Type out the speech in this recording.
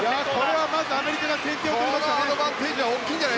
これはまずアメリカが先頭を取りました。